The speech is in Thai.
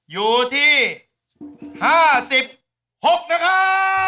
อยู่ที่๕๖นะครับ